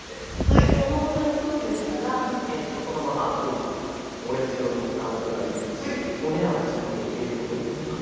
でそのまま行くんでしたらそのままオレンジ色のボタンを押せばいいですしお値段を自分で入れることもできます。